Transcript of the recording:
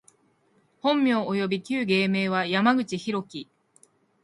本名および旧芸名は、山口大樹（やまぐちひろき）